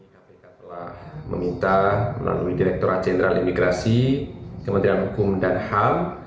kpk telah meminta melalui direkturat jenderal imigrasi kementerian hukum dan ham